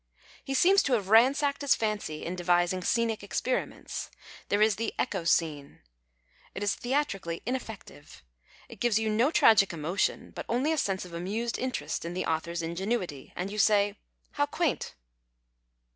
He seems to have ransacked his fancy in devising scenic experiments. There is the " echo " scene. It is theatrically ineffective. It gives you no tragic emotion, but only a sense of amused interest in the author's ingenuity, and you say, "How quaint!"